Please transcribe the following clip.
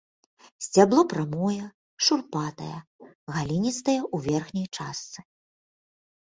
Сцябло прамое, шурпатае, галінастае ў верхняй частцы.